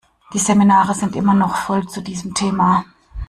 Die Seminare sind immer noch voll zu diesem Thema.